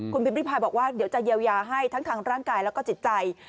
คุณพิมพิพายบอกว่าเดี๋ยวจะเยียวยาให้ทั้งทางร่างกายแล้วก็จิตใจ